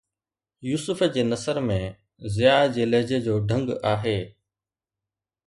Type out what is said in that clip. يوسف جي نثر ۾ ضياءَ جي لهجي جو ڍنگ آهي